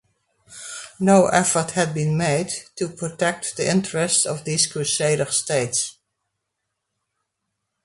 No effort had been made to protect the interests of these Crusader states.